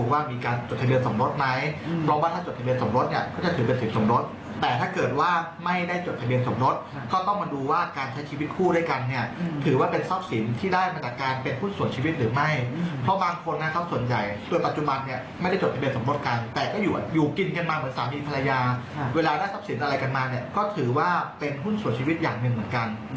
เวลาน่าทับสินอะไรกันมาก็ถือว่าเป็นหุ้นส่วนชีวิตอย่างหนึ่งเหมือนกัน